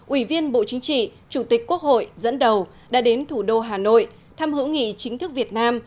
ủy viên bộ chính trị chủ tịch quốc hội dẫn đầu đã đến thủ đô hà nội thăm hữu nghị chính thức việt nam